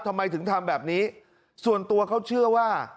ทำไมถึงทำแบบนี้ส่วนตัวเขาเชื่อว่า